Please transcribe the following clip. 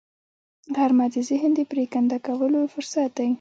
غرمه د ذهن د پرېکنده کولو فرصت دی